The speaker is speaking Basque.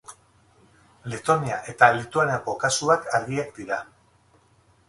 Letonia eta Lituaniako kasuak argiak dira.